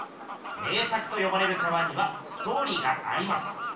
名作とよばれる茶碗にはストーリーがあります。